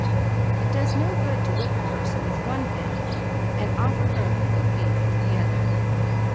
It does no good to whip a person with one hand and offer her a pickled beet with the other.